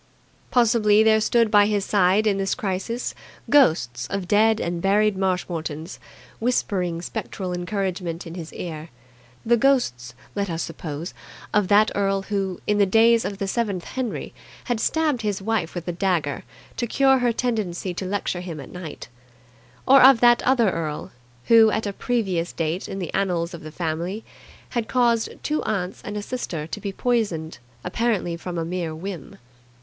Possibly there stood by his side in this crisis ghosts of dead and buried Marshmoretons, whispering spectral encouragement in his ear the ghosts, let us suppose, of that earl who, in the days of the seventh Henry, had stabbed his wife with a dagger to cure her tendency to lecture him at night; or of that other earl who, at a previous date in the annals of the family, had caused two aunts and a sister to be poisoned apparently from a mere whim.